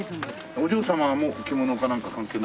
お嬢様もお着物かなんか関係ない？